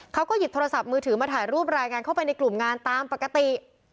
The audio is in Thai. เขาก็หยิบโทรศัพท์มือถือมาถ่ายรูปรายงานเข้าไปในกลุ่มงานตามปกติ